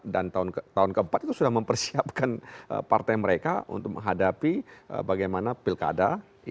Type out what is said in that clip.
dan tahun ke empat itu sudah mempersiapkan partai mereka untuk menghadapi bagaimana pilkada